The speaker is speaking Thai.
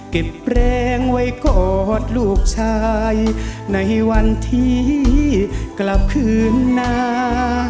เก็บแรงไว้กอดลูกชายในวันที่กลับคืนหน้า